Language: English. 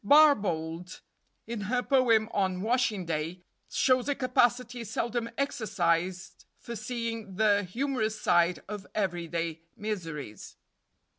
Barbauld, in her poem on "Washing Day," shows a capacity seldom exercised for seeing the humorous side of every day miseries.